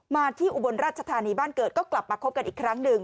มาที่อุบลราชธานีบ้านเกิดก็กลับมาคบกันอีกครั้งหนึ่ง